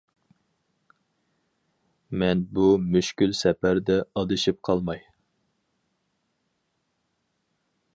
مەن بۇ مۈشكۈل سەپەردە ئادىشىپ قالماي.